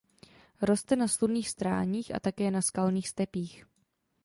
Roste na slunných stráních a také na skalních stepích.